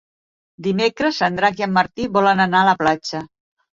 Dimecres en Drac i en Martí volen anar a la platja.